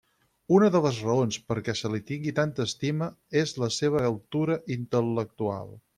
Una de les raons perquè se li tingui tanta estima és la seva altura intel·lectual.